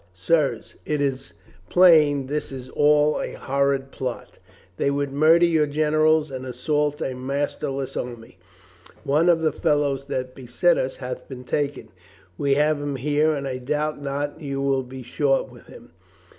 Sirs, it is plain this is all a horrid plot. They would murder your generals and assault ,a master less army. One of the fellows that beset us hath been taken. We have him here and I doubt not 3/ou will be short with him."